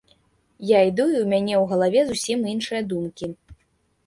Я іду і ў мяне ў галаве зусім іншыя думкі.